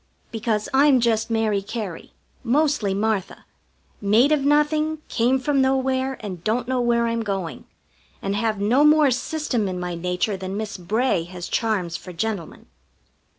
Because I'm just Mary Cary, mostly Martha; made of nothing, came from nowhere, and don't know where I'm going, and have no more system in my nature than Miss Bray has charms for gentlemen.